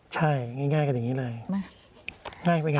ใช่ง่ายกันอย่างนี้เลย